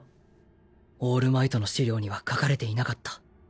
オールマイトの資料には書かれていなかった